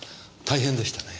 大変でしたね。